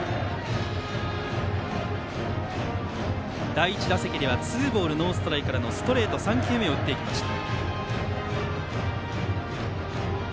第１打席ではツーボールノーストライクからのストレート、３球目を打っていきました。